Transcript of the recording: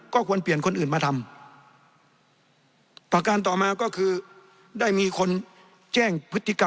ก็ควรเปลี่ยนคนอื่นมาทำประการต่อมาก็คือได้มีคนแจ้งพฤติกรรม